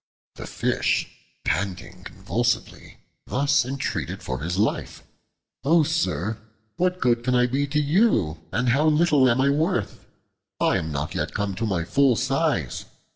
The Fish, panting convulsively, thus entreated for his life: "O Sir, what good can I be to you, and how little am I worth? I am not yet come to my full size.